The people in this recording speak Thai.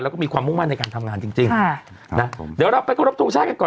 แล้วก็มีความมุ่งมั่นในการทำงานจริงจริงค่ะนะผมเดี๋ยวเราไปขอรบทรงชาติกันก่อน